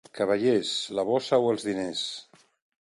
Cavallers, la bossa o els diners!